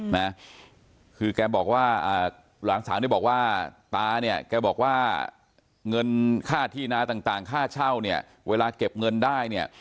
หลังถามแต่บอกว่าตายังเงินค่าเที่ยงอีนาต่างก็เวลาเก็บเงินได้